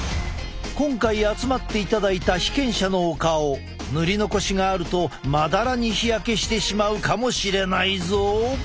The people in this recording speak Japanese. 今回集まっていただいた被験者のお顔塗り残しがあるとまだらに日焼けしてしまうかもしれないぞ。